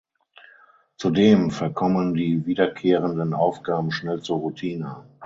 Zudem verkommen die wiederkehrenden Aufgaben schnell zur Routine.